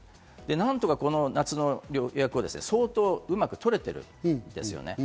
何とか夏の予約を相当うまく取れてるんですよね。